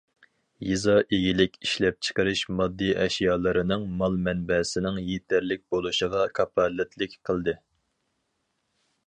يېزا ئىگىلىك ئىشلەپچىقىرىش ماددىي ئەشيالىرىنىڭ مال مەنبەسىنىڭ يېتەرلىك بولۇشىغا كاپالەتلىك قىلدى.